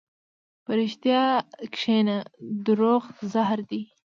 په رښتیا کښېنه، دروغ زهر دي.